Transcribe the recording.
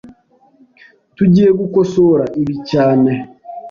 Tugiye gukosora ibi cyane.